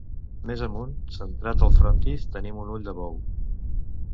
Més amunt, centrat el frontis, tenim un ull de bou.